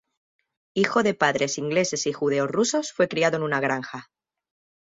Hijo de padres ingleses y judeo-rusos, fue criado en una granja.